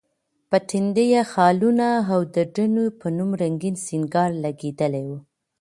په ټنډه یې خالونه، او د دڼیو په نوم رنګین سینګار لګېدلی و.